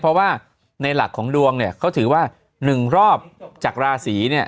เพราะว่าในหลักของดวงเนี่ยเขาถือว่า๑รอบจากราศีเนี่ย